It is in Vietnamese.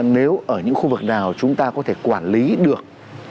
nếu ở những khu vực nào chúng ta có thể quản lý được